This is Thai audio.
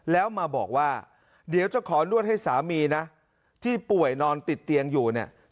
แล้วมาบอกว่าเดี๋ยวจะขอนวดให้สามีนะที่ป่วยนอนติดเตียงอยู่เนี่ย